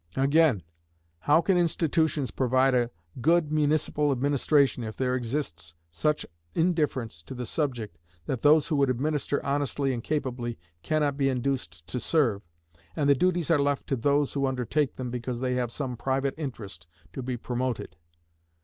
Again, how can institutions provide a good municipal administration if there exists such indifference to the subject that those who would administer honestly and capably can not be induced to serve, and the duties are left to those who undertake them because they have some private interest to be promoted?